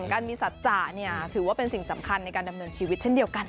การมีสัจจะถือว่าเป็นสิ่งสำคัญในการดำเนินชีวิตเช่นเดียวกัน